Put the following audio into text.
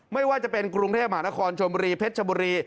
ไม่ว่าจะเป็นกรุงเทพมหานครชมบุรีเพชรชบุรี